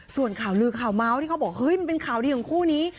ส่วนข่าวลือข่าวเมาส์ที่เขาบอกเฮ้ยมันเป็นข่าวดีของคู่นี้